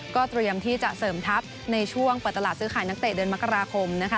ก็เตรียมที่จะเสริมทัพในช่วงเปิดตลาดซื้อขายนักเตะเดือนมกราคมนะคะ